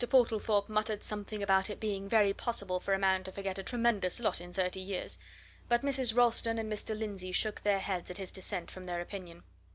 Portlethorpe muttered something about it being very possible for a man to forget a tremendous lot in thirty years, but Mrs. Ralston and Mr. Lindsey shook their heads at his dissent from their opinion.